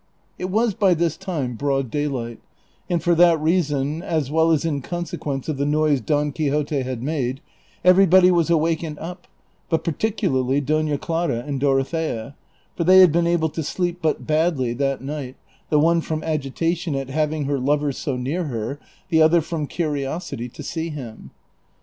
CHAPTER XLTV. 377 It was by this time broad daylight ; and for that reason, as well as in consequence of the noise Don Quixote had made, everybody was awake and up, but particularly Dona Clara and Dorothea ; for they had been al)le to sleep but badly that night, the one from agitation at having her lover so near her, the other from curiosity to see him.